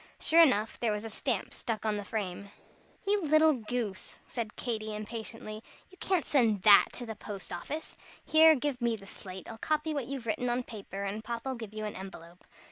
Sure enough, there was a stamp stuck on the frame. "You little goose!" said Katy, impatiently, "you can't send that to the post office. Here, give me the slate. I'll copy what you've written on paper, and Papa'll give you an envelope."